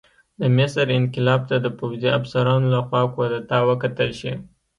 د مصر انقلاب ته د پوځي افسرانو لخوا کودتا وکتل شي.